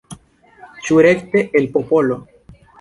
Ĉu rekte el popolo?